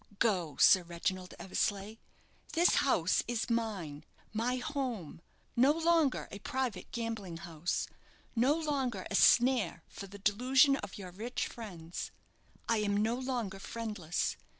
Go, Sir Reginald Eversleigh; this house is mine my home no longer a private gambling house no longer a snare for the delusion of your rich friends. I am no longer friendless.